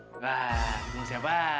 enggak ketemu siapa